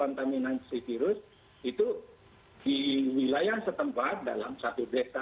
kontaminasi virus itu di wilayah setempat dalam satu desa